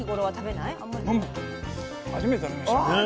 初めて食べました。